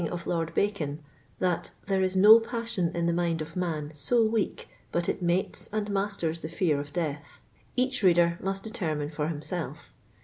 40 Lord Bacon, that '< there is no passion in the mind of man so weak but it mates and masters the fear of death," each reader nniat determine for himself.